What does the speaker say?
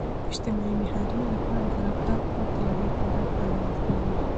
اجتماعي نهادونه د فرد د رفتار په پرتله ډیر پراخ انډول لري.